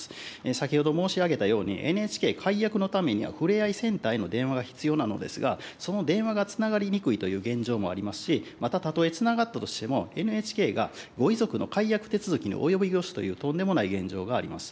先ほど申し上げたように、ＮＨＫ解約のためには、ふれあいセンターへの電話が必要なのですが、その電話がつながりにくいという現状もありますし、また、たとえつながったとしても、ＮＨＫがご遺族の解約手続きに及び腰というとんでもない現状があります。